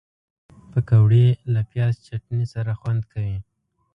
پکورې له پیاز چټني سره خوند کوي